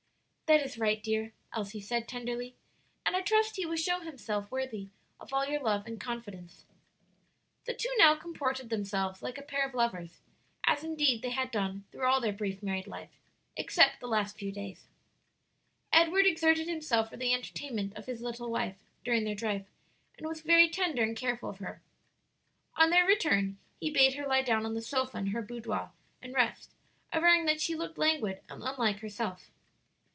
"That is right, dear," Elsie said tenderly, "and I trust he will show himself worthy of all your love and confidence." The two now comported themselves like a pair of lovers, as indeed they had done through all their brief married life, except the last few days. Edward exerted himself for the entertainment of his little wife during their drive, and was very tender and careful of her. On their return, he bade her lie down on the sofa in her boudoir and rest, averring that she looked languid and unlike herself.